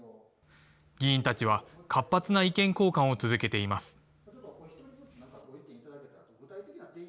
議員たちは活発な意見交換を続けています。